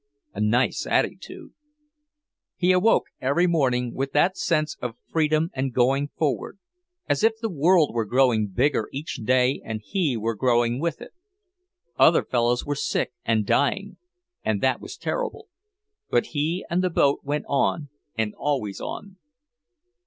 A nice attitude! He awoke every morning with that sense of freedom and going forward, as if the world were growing bigger each day and he were growing with it. Other fellows were sick and dying, and that was terrible, but he and the boat went on, and always on.